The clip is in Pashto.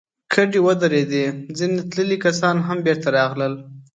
کډې ودرېدې، ځينې تللي کسان هم بېرته راغلل.